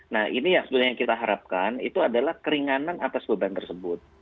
nah ini yang sebenarnya kita harapkan itu adalah keringanan atas beban tersebut